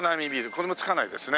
これも付かないですね。